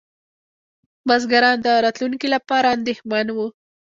بزګران د راتلونکي لپاره اندېښمن وو.